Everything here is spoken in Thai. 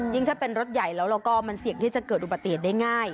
ถ้าเป็นรถใหญ่แล้วเราก็มันเสี่ยงที่จะเกิดอุบัติเหตุได้ง่าย